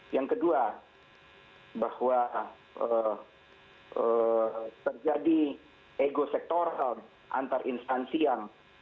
yang kedua bahwa terjadi ego sektoral antar instansi yang